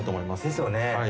ですよね。